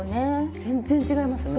全然違いますね。